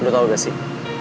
lo tau ga sih